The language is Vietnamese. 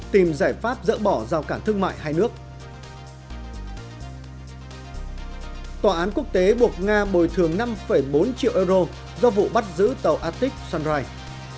tòa án quốc tế buộc nga bồi thường năm bốn triệu euro do vụ bắt giữ tàu arctic sunrise